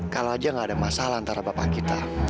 kalau aja gak ada masalah antara bapak kita